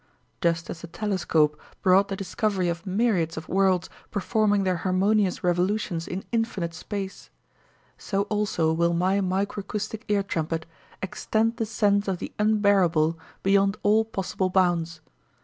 "Just as the telescope brought the discovery of myriads of worlds performing their harmonious revolutions in infinite space so also will my micracoustic ear trumpet extend the sense of the unhearable beyond all possible bounds.